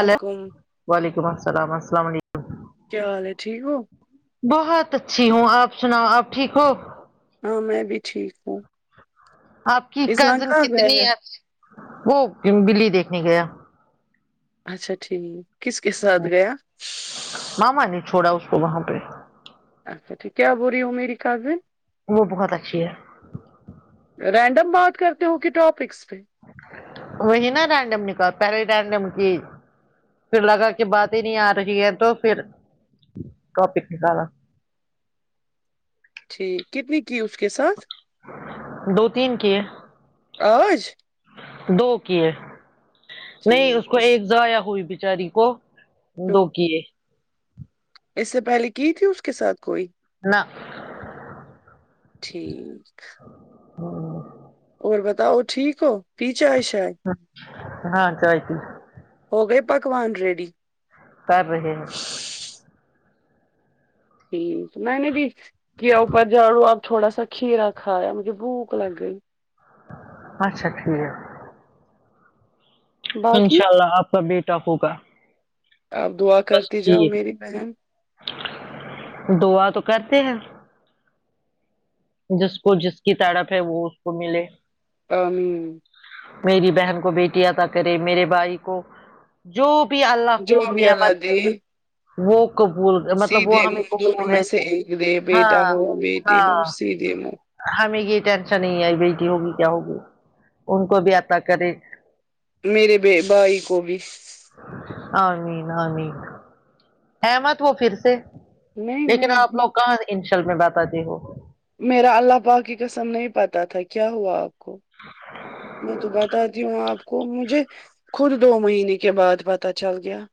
Hello وعلیکم السلام السلام علیکم کیا حال ہے ٹھیک ہو بہت اچھی ہوں آپ سناؤ آپ ٹھیک ہو ہاں میں بھی ٹھیک ہوں آپ کی اذہان کزن کہاں گیا کتنی ہے وہ بلی دیکھنے گیا اچھا ٹھیک کس کے ساتھ گیا ماما نے چھوڑا اس کو وہاں پہ اچھا ٹھیک ھیک کیا بول رہی ہوں میری کزن وہ بہت اچھی ہے رینڈم بات کرتے ہو کہ ٹاپکس پہ وہی نا رینڈم نکا پہلے رینڈم کی پھر لگا کہ باتیں نہیں آ رہی ہے تو پھر ٹاپک نکالا ٹھیک کتنی کی اس کے ساتھ دو تین کی ہے آج دو کی ہے نہیں اس کو ایک ضایا ہوئی بچاری کو دو کیوں کیے اس سے پہلے کی تھی اس کے ساتھ کوئی نہیں ٹھیک ہاں اور بتاؤ ٹھیک ہو پی چائے شایے ہاں چائے پی ہو گئے پکوان ریڈی کر رہے ہیں ٹھیک میں نے بھی کیا اوپر جھاڑو آپ تھوڑا سا کھیا کھایا مجھے بھوک لگ گئی اچھا ٹھیک ہے باقی انشاء اللہ آپ کا بیٹا ہوگا آپ دعا بس کرتی جاؤ میری ٹھیک بہن دعا تو کرتے ہیں جس کو جس کی تٹپ ہے وہ اس کو ملے آمین میری بہن کو بیٹی اتا کرے میرے بھائی کو جو بھی اللہ جو کو بھی اللہ نعمت دے وہ قبول مطلب وہ سیدھے ہمیں منہ دونوں قبول میں ہے سے ایک ہاں ہاں جم ہمیں یہ ٹینشن نہیں آئی بیٹی ہوگی کیا ہوگی ان کو بھی عطا کرے میرے ب بھائی کو بھی عین آامین امت ہو پھر سے نہیں لیکن آپ نہیں لوگ کہاں ان شل میں بتاتے ہو میرا اللہ پاک کی قسم نہیں پتتا تھا کیا ہوا آپ میں تو بتاتی ہوں آپ کو مجھے خود دو مہینے کے بعد پتا چل گیا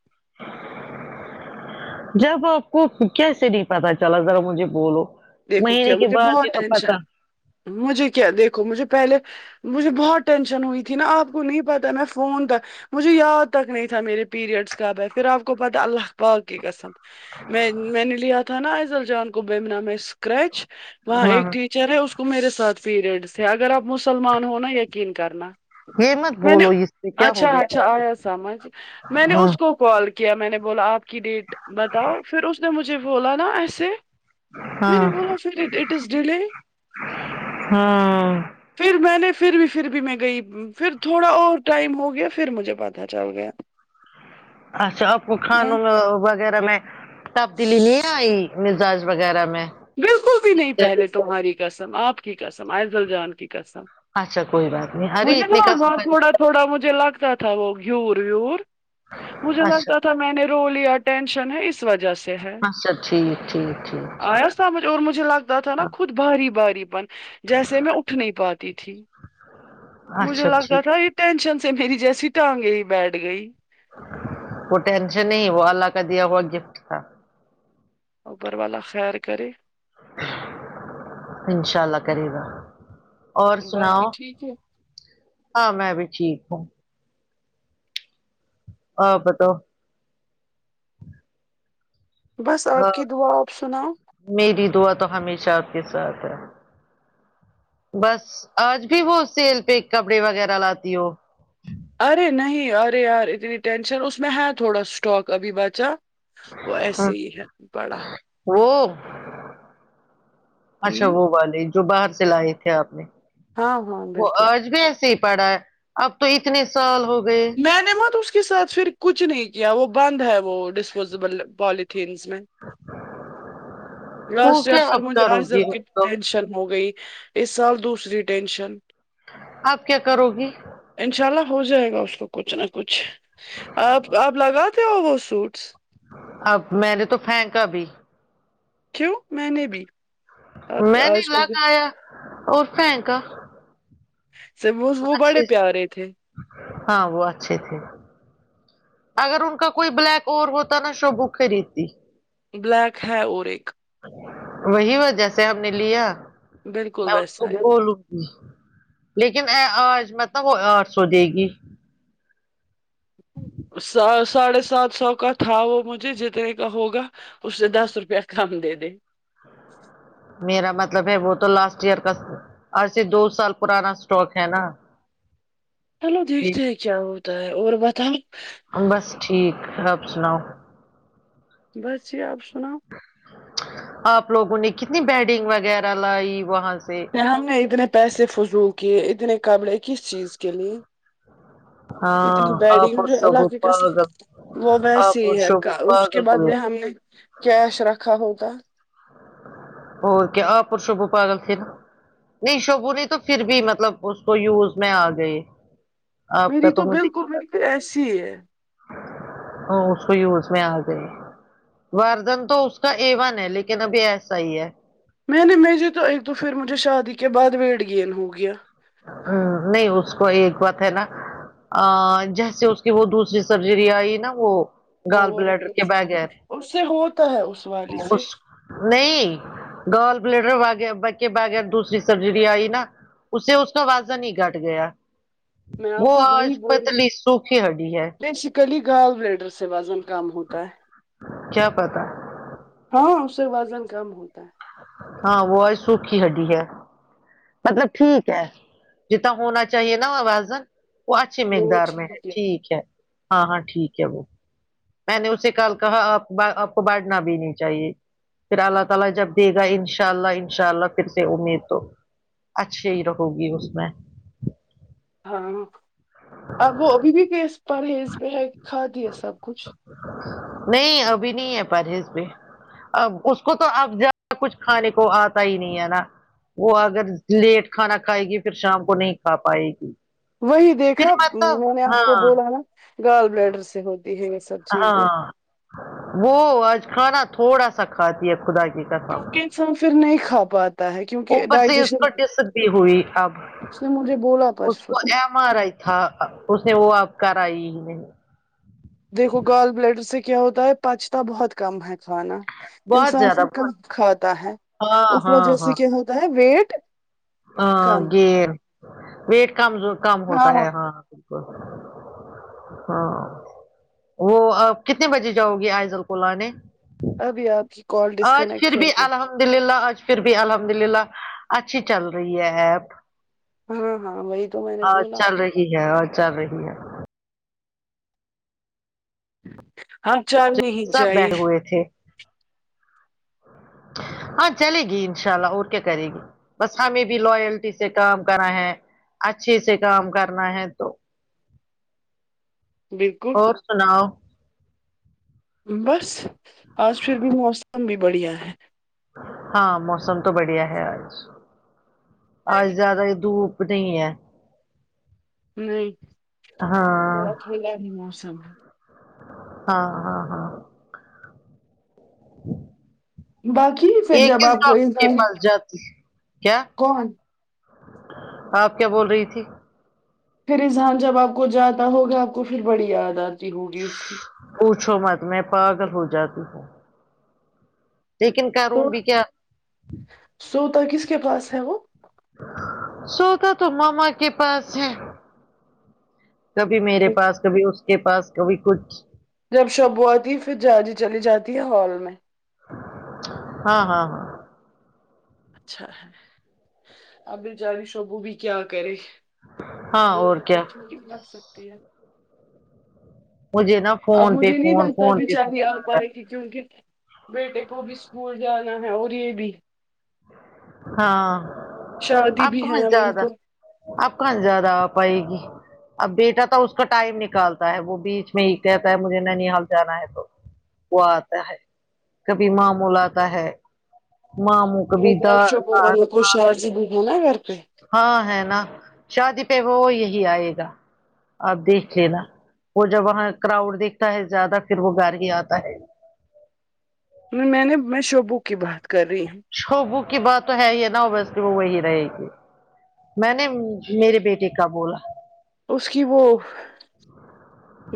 م جب آپ کو کیسے نہیں پتا چلا ذرا مجھے بولو دیکھو مہینے کیا کے مجھے بعد ہی بہت تو پت ٹینشن مجھے کیا دیکھو مجھے پہلے مجھے بہت ٹینشن ہوئی تھی نا آپ کو نہیں پتاہ میں فون تھا مجھے یاد تک نہیں تھا میرے پیریڈس کب ہے پھر آپ کو پتاہ اللہ پاک کی کسم میں میں نے لیا تھا نا ایضل جان کو بیمنا میں اسکریچ وہاں ہاں ایک چرے اس کو میرے ساتھ پیریڈس تھے اگر آپ مسلمان ہونا یقین کرنا یہ مت میں نے بولو اس سے کیا ہو اچھا گیا اچھا آپ کو آیا سمجھ میں نے ہاں اس کو کال کیا میں نے بولا آپ کی ڈیٹ بتاؤ پھر اس نے مجھے بولا نا ایسے میں نے ہاں بولاٹ اٹ از ڈلے ہاں پھر میں نے پھر بھی پھر بھی میں گئی پھر تھوڑا اور ٹائم ہو گیا پھر مجھے پتا چل گیا ہاں اچھا آپ کو کھانوں میں وغیرہ میں تبدیلی نہیں آئی مزاج وغیرہ میں بالکل بھی جس نہیں سے؟ پہلے تمہاری قسم آپ کی قسم عض ال جان کی قسم اچھا کوئی بات نہیں ارے مجھے اتنے نا کا سب وہاں کا تھوڑا نہیں تھوڑا مجھے لگتا تھا وہ گھیور ویور مجھے اچھا لگتا تھا میں نے رو لیا ٹینشن ہے اس وجہ سے ہے اچھا ٹھیک ٹھیک ٹھیک آیا سمجھ اور مجھے لگتا تھا نا ہاں، خود باراری باراری پن جیسے میں اٹھ نہیں پاتی تھی مجھے اچھا لگتا تھا ٹھیک یہ ٹینشن سے میری جیسی ٹانگ گئی بیٹھ گئی وہ ٹینشن نہیں وہ اللہ کا دیا ہوا گفٹ تھا اوپر والا خیر کرے انشاء اللہ کرے گا اور باقی سناؤ ٹھیک ہے ہاں میں بھی ٹھیک ہوں آ پتا بس آپ کی دعا آپ سناؤ میری دعا تو ہمیشہ آپ کے ساتھ ہے بس آج بھی وہ سیل پہ کپڑے وغیرہ لاتی ہو ارے نہیں ارے یار اتنی ٹینشن اس میں ہے تھوڑا اسٹاک ابھی بچا وہ ہاں ایسے ہی ہے بڑا وہ اچھا ہوں وہ والے جو باہر سے لائے تھے آپ نے ہاں ہاں وہ بالکل آج بھی ایسے پڑا ہے اب تو اتنے سال ہو گئے میں نے تو اس کے ساتھ پھر کچھ نہیں کیا وہ بند ہے وہ ڈسپوزبل پالتھیینس میں وہ لاسٹ ایئر کیا پھر اب مجھے کرو گی آجزر اب تو ٹینشن ہو گئی اس سال دوسری ٹینشن آپ کیا کرو گی انشاء اللہ ہو جائے گا اس کو کچھ نہ کچھ آپ آپ لگات ک آ سوٹس اب میں نے تو پھینکا ابھی کیوں میں نے بھی آپ میں نہیں آج الگ کل آیا اور س کا سوز وہ بڑے سے۔ پیارے تھے ہاں وہ اچھی تھی اگر ان کا کوئی بلیک اور ہوتا نا شبو خریدتی بلیک ہے اور ایک وہی وجہ سے ہم نے لیا بالکل میں اس کو ویسا ہے بولوں لیکن آج مت وہ آٹھ سو دے گی ساڑھے سات سو کا تھا وہ مجھے جتنے کا ہوگا اس نے دس روپیہ کم دے دے میرا مطلب ہے وہ تو لاسٹ ایئر کا ای سےے دو سال پرانا اسٹاک ہے نا چلو دیکھتے ہیں کیا ہوتا ہے اور بتاؤ بس ٹھیک رب سناؤ بس جی آپ سناؤ آپ لوگوں نے کتنی بیڈنگ وغیرہ لائی وہاں سے ہم نے اتنے پیسے فضول کیے اتنے قبلے کس چیز کے لیے [unintelligible] ہاں اتنی آ بیڈنگ جو پشو اللہ کی بپ قسم ل وہ آ ویسی ہی پش ہے کا- بپ اس کے بدلے ہم نے کیش رکھا ہوگا اور کیا آ پرشب پاگل تھر نہیں شوبو نہیں تو پھر بھی مطلب اس کو یوز میں آ گئی میری تو بالکل میری تو ایسی ہے ا اس کو ی اس میں آ ج وردن تو اس کا ا ون ہے لیکن اب ایسا ہی ہے میں نہیں میھی تو ایک تو پھر مجھے شادی کے بعد ویٹ گین ہو گیا ہ نہیں اس کو ایک بات ہے نا ا جیسے اس کی وہ دوسری سرجری آئی نا وہ ہاں گال وہ بلیڈر کے ریڈیشن ہو بغیر اس سے ہوتا ہے اس والی سے اس نہیں گرل بلیڈر وغ بغیر دوسری سرجری آئی نا اسے اس تو وازن ہی گٹ گیا میں وہ آپ کو آج وہی پتلی سوکھی ہڈی ہے کلی گال رڈر سے وزن کم ہوتا ہے ج پتا ہاں اس سے وزن کم ہوتا ہے ہاں وہ آج سوکھی ہڈی ہے مطلب ٹھیک ہے جتنا ہونا چاہیے نا آوازن وہ اچھی مقدار میں ہے ٹھیک ہے ہاں ہاں ٹھیک ہے وہ میں نے اس سے کل کہا آپ آپ کو بانٹنا بھی نہیں چاہیے پھر اللہ تعالی جب دے گا ان شاء اللہ ان شاء اللہ پھر سے امید تو اچھی ہی رہو گی اس میں ہاں ا وہ ابھی بھیس پر ہیز میں ہے کھادی ہے سب کچھ نہیں ابھی نہیں ہے پرہیز پ ا اس کو تو اب کچھ کھانے کو آتا ہی نہیں ہے نا وہ اگر لیٹ کھانا کھائے گی پھر شام کو نہیں کھا پائے گی وہی پھر دیکھا مطلب میں نے آپ کو ہاں بولا نا گال بلیڈر سے ہوتی ہےس ہاں وہ آج کھانا تھوڑا سا کھاتی ہے خدا کی قسم کیونکہ انسان پھر نہیں کھا پاتا ہے کیونکہ اوپر سے اس ڈائجیشن کو ڈسک بھی اس نے مجھے بولا پرس وہ ایم آر آئی تھا اس نے وہ اب کرائی ہی نہیں دیکھو گال بلیٹر سے کیا ہوتا ہے پچتا بہت کم ہے کھانا بہت انسان زیادہ سے کم بہت کھاتا ہے ہاں اس وجہ ہاں سے ہاں کیا ہوتا ہے ویٹ [inaudible] ہاں کم گ ویٹ کمز کم ہوتا ہے ہاں بالکل [inaudible] ہاں وہ آپ کتنے بجے جاؤ گی آئزل کو لانے ابھی ابھی آج پھر بھی الحمد للہ آج پھر بھی الحمد للہ اچھی چل رہی ہے ایپ ہاں ہاں وہی تو میں نے ہاں کھیلا چل ہے اور چا رہی ہے [inaudible] ہاں چار بھی نہیں [inaudible] سب بیٹھے ہوئے تھے [inaudible] ہاں چلے گی انشاء اللہ اور کیا کرے گی بس ہمیں بھی لوائلٹی سے کام کرنا ہے اچھے سے کام کرنا ہے تو بالکل اور سناؤ بس آج پھر بھی موسم بھی بڑھیا ہے ہاں موسم تو بڑھیا ہے آج آج زیادہ ہی دھوپ [inaudible] نہیں ہاں بیڈ موسم ہے [inaudible] ہاں ہاں ہاں باقی پھر یہ جب کس آپ کو ڈاکٹر کے اظہار پاس جاتی کیا [inaudible] کون آپ کیا بول رہی تھی پھر اذہان جب آپ کو جاتا ہوگا آپ کو پھر بڑی یاد آتی ہوگی اس کی پوچھو مت میں پاگل ہو جاتی ہوں لیکن کروں تو بھی کیا سوتا کس کے پاس ہے وہ سوتا تو ماما کے پاس ہے کبھی میرے پاس کبھی اس کے پاس کبھی کچھ جب شبو ہوا جی پھر جاجی چلی جاتی ہے ہال میں ہاں ہاں ہاں اچھا ہے ا بھی جان شبو بھی کیا کرے ہاں اور کیا [inaudible] مجھے نا فون پہ فون فون پہ فون آ رہا ہے بلکہ جون کوکیونکہ بیٹے کو بھی اسکول جانا ہے اور یہ بھی ہاں شادی اب بھی کہاں ہے جا ان رہا کو [inaudible] آپ کہاں زیاد ہ آ پائے گی اب بیٹا تو اس کا ٹائم نکالتا ہے وہ بیچ میں ہی کہتا ہے مجھے نانی ہال جانا ہے تو وہ آتا ہے کبھی مامو لاتا ہے مامو کا بیٹ ہاٹ [inaudible] کوئی شوہر سے بو لا ہے گھر پہ [inaudible] ہاں ہے نا شادی پہ وہ یہی آئے گا آپ دیکھ لینا وہ جب وہاں کراؤڈ دیکھتا ہے زیادہ پھر وہ گھر ہی آتا ہے نہیں میں نے میں شعبو کی بات کر رہی ہوں شوبو کی بات تو ہے ہی نا ویسے وہ وہی رہے گی میں نے میرے بیٹے کا بولا اس کی وہ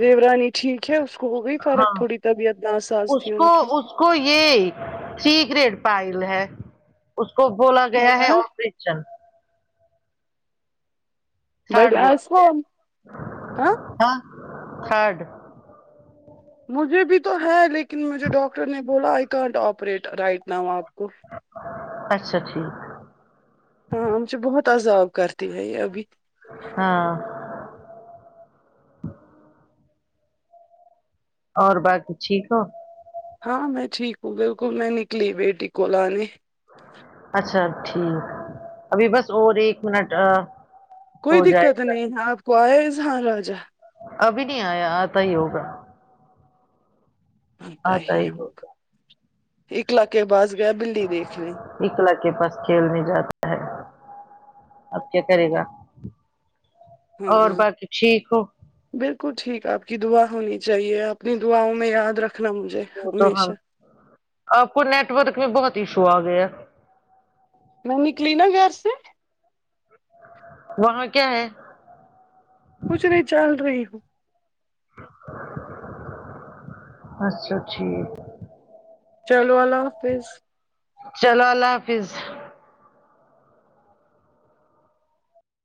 دیو رانی ٹھیک ہے اس کو ہو گئی فرق ہاں تھوڑی طبیعت نآساز اس تھی ان کو کی اس کو یہ سیکریٹ فائل ہے اس کو بولا گیا ہے آپریشن اچھا تھڈ بٹ ایز بولتے فار ہاں ہے مجھے بھی تو ہے لیکن مجھے ڈاکٹر نے بولا I can't operate right now آپ کو اچھا ٹھیک ہاں ہم سے بہت عذاب کرتے ہیں یہ ابھی ہاں اور باقی ٹھیک ہو ہاں میں ٹھیک ہوں بالکل میں نکلی بیٹی کو‌ لانے اچھا ٹھیک ابھی بس اور ایک منٹ کوئی ہو جائے دقت گا نہیں آپ کو آئے ہاں راجہ ابھی نہیں آیا آتا ہی ہوگا آتا ہی ہوگا اقلا کے پاس گیا بلی دکھنے اکلا کے پاس کھیل نہیں جاتا ہے اب کیا کرے گا ہاں اور ہاں، باقی ٹھیک ہو بالکل ٹھیک آپ کی دعا ہونی چاہیے اپنی دعاوں میں یاد رکھ وہ تو ہم آپ کو نیٹورک میں بہت ایشو آ گیا میں نکلی نا گھر سے وہاں کیا ہے کچھ نہیں چل رہی ہوں اچھا ٹھیک چلو اللہ حافظ چلو اللہ حافظ